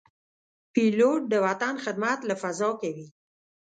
پیلوټ د وطن خدمت له فضا کوي.